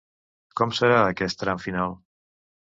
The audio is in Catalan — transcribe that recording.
Com serà aquest tram final?